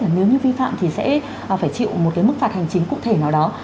nếu như vi phạm thì sẽ phải chịu một cái mức phạt hành chính cụ thể nào đó